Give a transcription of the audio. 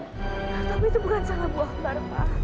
tapi itu bukan salah bu ambar pak